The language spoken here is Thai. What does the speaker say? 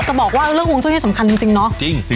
จะบอกว่าเรื่องห่วงจุ้ยที่สำคัญจริงเนอะ